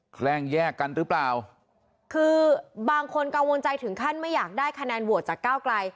แกล้งแยกกันหรือเปล่าคือบางคนกังวลใจถึงขั้นไม่อยากได้คะแนนโหวตจากก้าวไกล